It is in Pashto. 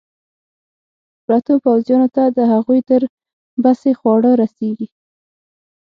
پرتو پوځیانو ته د هغوی تر بسې خواړه رسېږي.